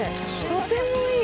とてもいい。